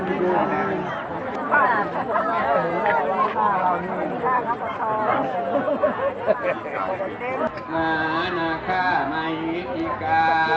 อีอิฟเต็มละ